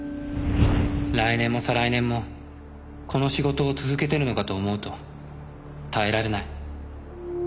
「来年も再来年もこの仕事を続けてるのかと思うと耐えられない」